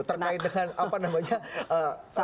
terkait dengan apa namanya